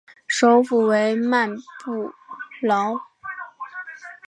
首府为曼布劳。